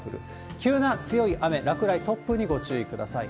急な強い雨、落雷、突風にご注意ください。